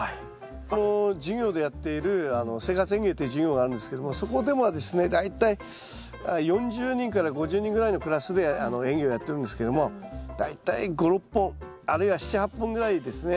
授業でやっている生活園芸という授業があるんですけどもそこでもですね大体４０人から５０人ぐらいのクラスで園芸をやってるんですけども大体５６本あるいは７８本ぐらいですね